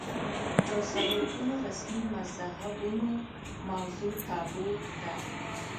د څلور ګونو رسمي مذهبونو موضوع تابو ده